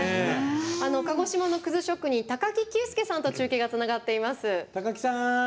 鹿児島の葛職人高木久助さんと中継がつながっています。